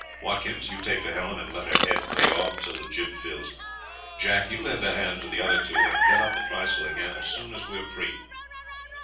Watkins, you take the helm and let her head pay off till the jib fills. Jack, you lend a hand to the other two, and get up the trysail again as soon as we are free."